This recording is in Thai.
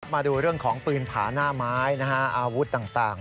มาดูเรื่องของปืนผาหน้าไม้อาวุธต่าง